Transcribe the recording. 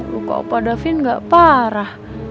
luka opa davin gak parah